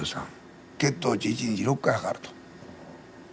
血糖値一日６回測ると。